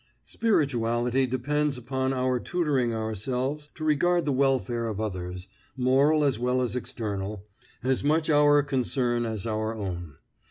Spirituality depends upon our tutoring ourselves to regard the welfare of others moral as well as external as much our concern as our own.